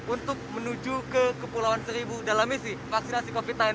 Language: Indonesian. untuk menuju ke kepulauan seribu dalam misi vaksinasi covid sembilan belas